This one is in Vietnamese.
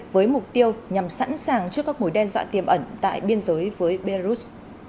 với mục tiêu nhằm sẵn sàng trước các mối đe dọa tiềm ẩn tại biên giới với belarus